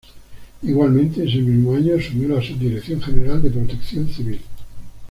Igualmente, ese mismo año asumió la Subdirección General de Protección Civil.